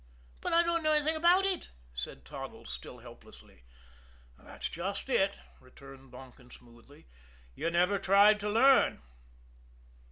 "But I don't know anything about it," said Toddles, still helplessly. "That's just it," returned Donkin smoothly. "You never tried to learn."